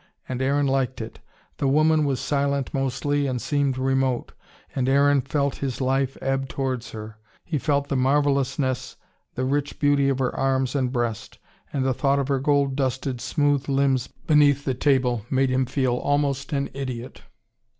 And Aaron liked it. The woman was silent mostly, and seemed remote. And Aaron felt his life ebb towards her. He felt the marvellousness, the rich beauty of her arms and breast. And the thought of her gold dusted smooth limbs beneath the table made him feel almost an idiot.